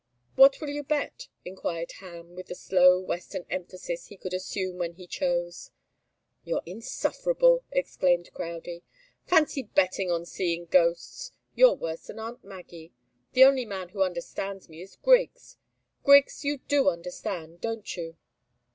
"What will you bet?" enquired Ham, with the slow, western emphasis he could assume when he chose. "You're insufferable!" exclaimed Crowdie. "Fancy betting on seeing ghosts! You're worse than aunt Maggie. The only man who understands me is Griggs. Griggs, you do understand, don't you?"